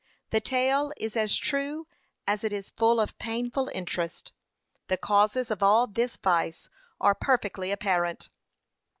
The tale is as true as it is full of painful interest. The causes of all this vice are perfectly apparent.